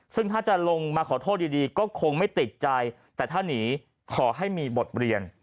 ซึ่งถ้าจะลงมาขอโทษดีก็คงไม่ติดใจแต่ถ้าหนีขอให้มีบทเรียน